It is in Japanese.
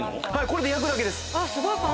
これで焼くだけです。